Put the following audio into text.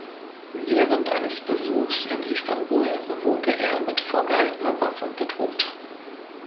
Während eines Besuchs in Istanbul wurde er mit vorgehaltener Waffe bedroht.